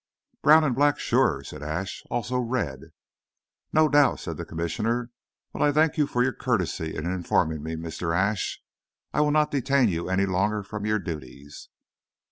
"Brown and black, sure," said Ashe; "also red." "No doubt," said the Commissioner. "Well, I thank you for your courtesy in informing me, Mr. Ashe. I will not detain you any longer from your duties."